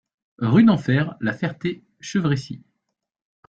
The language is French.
Rue d'Enfer, La Ferté-Chevresis